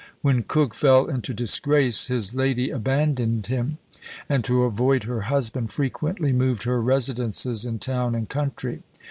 When Coke fell into disgrace, his lady abandoned him! and, to avoid her husband, frequently moved her residences in town and country.